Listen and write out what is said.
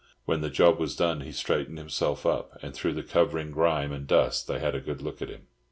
When the job was done he straightened himself up, and through the covering grime and dust they had a good look at him.